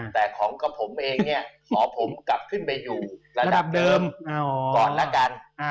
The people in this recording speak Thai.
แต่ของกับผมเองเนี่ยขอผมกลับขึ้นไปอยู่ระดับเดิมก่อนละกัน